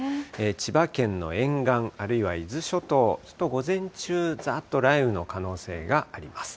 千葉県の沿岸あるいは伊豆諸島、ちょっと午前中、ざっと雷雨の可能性があります。